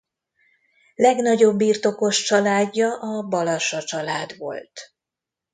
Legnagyobb birtokos családja a Balassa család volt.